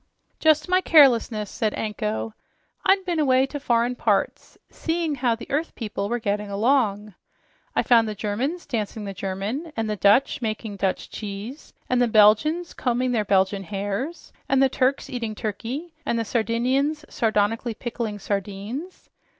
"Just my carelessness," said Anko. "I'd been away to foreign parts, seeing how the earth people were getting along. I found the Germans dancing the german and the Dutch making dutch cheese and the Belgians combing their belgian hares and the Turks eating turkey and the Sardinians sardonically pickling sardines.